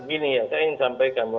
ini ya saya ingin sampaikan